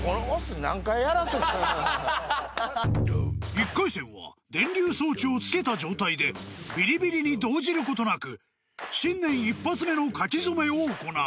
［１回戦は電流装置を着けた状態でビリビリに動じることなく新年一発目の書き初めを行う］